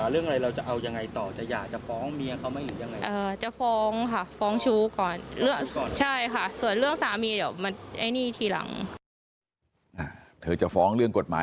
เราเชื่อไหมไม่เชื่ออ่า